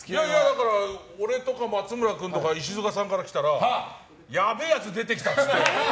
俺とか松村君とか石塚君からしたらやべえやつ出てきたっつって。